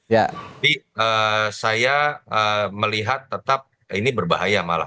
tapi saya melihat tetap ini berbahaya malah